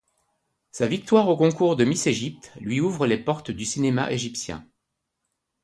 Sa victoire au concours de Miss Égypte lui ouvre les portes du cinéma égyptien.